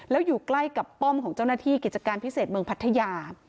แล้วอยู่ใกล้กับป้อมของเจ้าหน้าที่กิจการพิเศษเมืองพัทยา